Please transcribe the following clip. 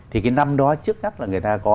thì cái năm đó trước chắc là người ta có